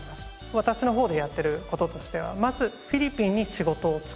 私の方でやっている事としてはまずフィリピンに仕事をつくる。